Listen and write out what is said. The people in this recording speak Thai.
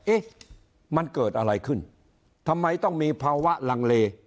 เอ๊ะมันเกิดอะไรขึ้นทำไมต้องมีภาวะลังเล